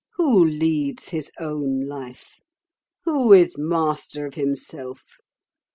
Who leads his own life? Who is master of himself?